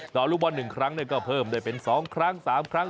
ลูกบอล๑ครั้งก็เพิ่มได้เป็น๒ครั้ง๓ครั้ง